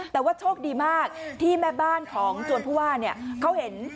แต่ว่าโชคดีมากที่แม่บ้านของจวนผู้ว่าเขาเห็น